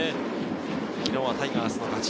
昨日はタイガースの勝ち。